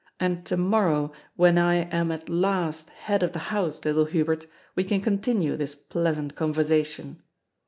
And to morrow, when I am at last head of the house, little Hubert, we can continue this pleasant conversation.